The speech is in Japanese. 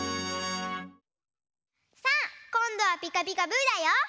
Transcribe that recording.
さあこんどは「ピカピカブ！」だよ。